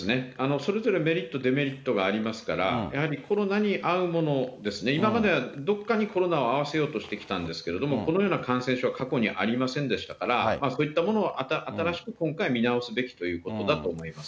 それぞれメリット、デメリットがありますから、やはりコロナに合うものですね、今まではどっかにコロナを合わせようとしてきたんですけれども、このような感染症は過去にありませんでしたから、そういったものは新しく今回見直すべきということだと思います。